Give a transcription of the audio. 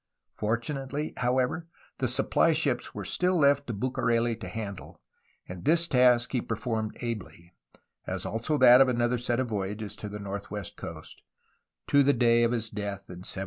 Fortu nately, however, the supply ships were still left to BucareU to handle, and this task he performed ably — as also that of another set of voyages to the northwest coast — to the day of his death in 1779.